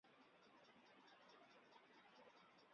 该中心隶属济南军区空军后勤部。